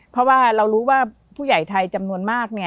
เพราะว่าเรารู้ว่าผู้ใหญ่ไทยจำนวนมาก